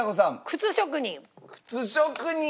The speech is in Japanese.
靴職人。